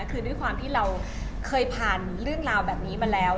คือด้วยความที่เราเคยผ่านเรื่องราวแบบนี้มาแล้ว